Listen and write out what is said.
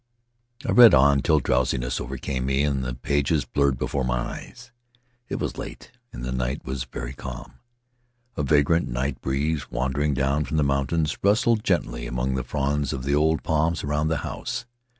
I read on till drowsiness overcame me and the pages blurred before my eyes. It was late and the night was Faery Lands of the South Seas very calm; a vagrant night breeze, wandering down from the mountains, rustled gently among the fronds of the old palms around the house.